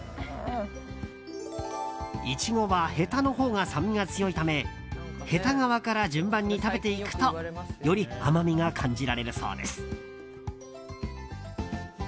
イチゴはへたのほうが酸味が強いためへた側から順番に食べていくとより甘みが感じられるそうです。